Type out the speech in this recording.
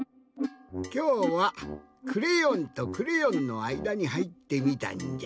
きょうはクレヨンとクレヨンのあいだにはいってみたんじゃ。